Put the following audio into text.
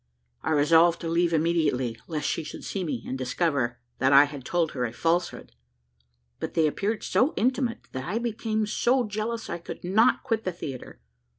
I resolved to leave immediately, lest she should see me, and discover that I had told her a falsehood; but they appeared so intimate that I became so jealous I could not quit the theatre.